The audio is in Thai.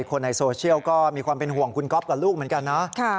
คนในโซเชียลก็มีความเป็นห่วงคุณก๊อฟกับลูกเหมือนกันนะ